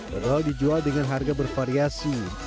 dodol dijual dengan harga bervariasi